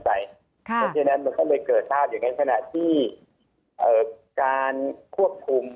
เพราะฉะนั้นมันก็เลยเกิดภาพอย่างนั้นขณะที่การควบคุม